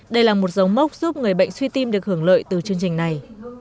đây là một dấu mốc giúp người bệnh suy tim được hưởng lợi từ chương trình này